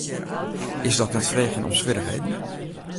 Is dat net freegjen om swierrichheden?